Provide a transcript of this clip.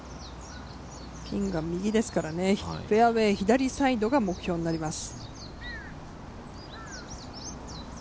ピンが右ですから、フェアウェー左サイドが目標になります。